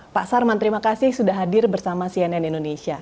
pak sarman terima kasih sudah hadir bersama cnn indonesia